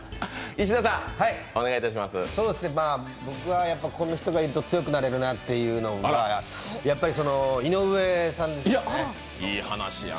僕はやっぱりこの人がいると強くなれるなっていうのはやっぱり、井上さんですね。